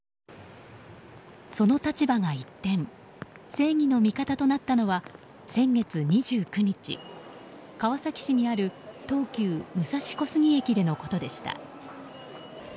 その立場が一転正義の味方となったのは先月２９日、川崎市にある東急武蔵小杉駅でのことでした。